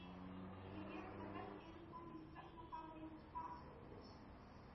The American investigators call these exceptional combinations cross~overs.